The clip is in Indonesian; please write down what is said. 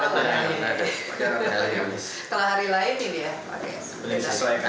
setelah hari lain ini dia pakai